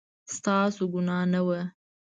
ستاسو ګناه نه وه